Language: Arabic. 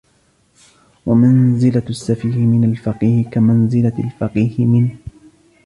وَمَنْزِلَةُ السَّفِيهِ مِنْ الْفَقِيهِ كَمَنْزِلَةِ الْفَقِيهِ مِنْ